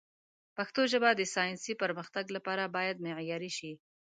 پښتو ژبه د ساینسي پرمختګ لپاره باید معیاري شي.